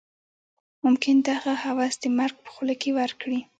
ممکن دغه هوس د مرګ په خوله کې ورکړي.